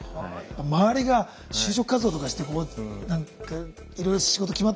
周りが就職活動とかしていろいろ仕事決まっていったりとかする。